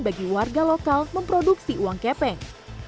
bagi warga lokal memproduksi uang kepeng